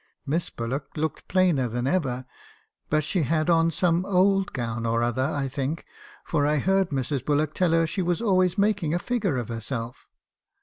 Miss Bullock looked plainer than ever; but she had on some old gown or other, I think, for I heard Mrs. Bullock tell her she was always making a figure of herself.